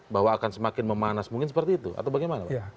bahwa akan semakin memanas mungkin seperti itu atau bagaimana pak